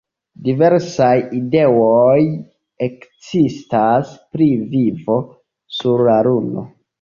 Diversaj ideoj ekzistas pri vivo sur la Luno.